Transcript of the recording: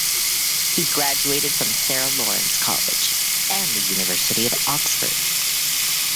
He graduated from Sarah Lawrence College and the University of Oxford.